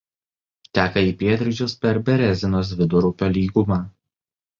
Teka į pietryčius per Berezinos Vidurupio lygumą.